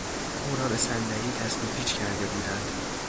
او را به صندلی تسمه پیچ کرده بودند.